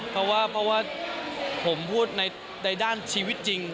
เพราะว่าผมพูดในด้านชีวิตจริง